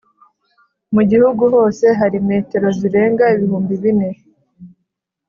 mu gihugu hose hari metero zirenga ibihumbi bine